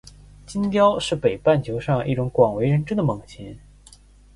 金雕是北半球上一种广为人知的猛禽。